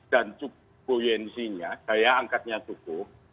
dan cukup buoyancy nya daya angkatnya cukup